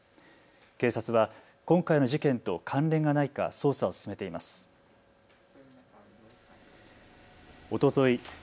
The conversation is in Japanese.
警察は今回の事件と関連がないか捜査を進めています。